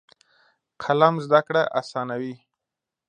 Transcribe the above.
قلم زده کړه اسانوي.